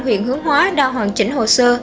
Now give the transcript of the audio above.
huyện hướng hóa đã hoàn chỉnh hồ sơ